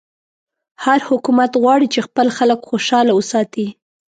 هر حکومت غواړي چې خپل خلک خوشحاله وساتي.